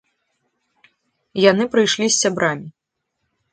Яны прыйшлі з сябрамі.